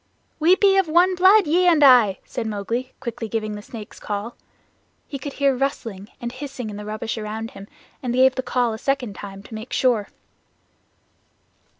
"We be of one blood, ye and I," said Mowgli, quickly giving the Snake's Call. He could hear rustling and hissing in the rubbish all round him and gave the Call a second time, to make sure.